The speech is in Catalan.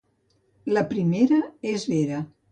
La primera és vera.